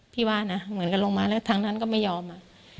ว่านะเหมือนกับลงมาแล้วทางนั้นก็ไม่ยอม